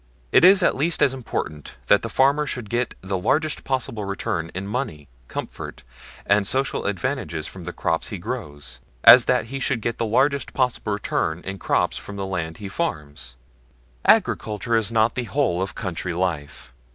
It is at least as important that the farmer should get the largest possible return in money, comfort, and social advantages from the crops he grows, as that he should get the largest possible return in crops from the land he farms. Agriculture is not the whole of country life.